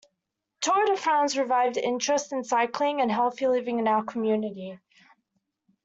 Tour de France revived interest in cycling and healthy living in our community.